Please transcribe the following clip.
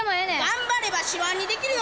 頑張れば白あんにできるよ！